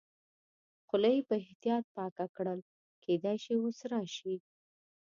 خوله یې په احتیاط پاکه کړل، کېدای شي اوس راشي.